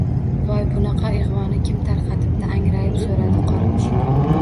– Voy! Bunaqa ig‘voni kim tarqatibdi? – angrayib so‘radi qora mushuk